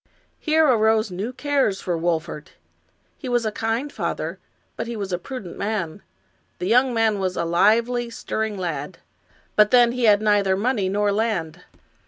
Here arose new cares for Wolfert. He was a kind father, but he was a prudent man. The young man was a lively, stirring lad, but then he had neither money nor land.